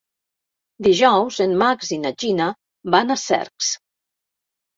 Dijous en Max i na Gina van a Cercs.